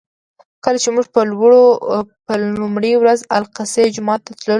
کله چې موږ په لومړي ورځ الاقصی جومات ته تللو.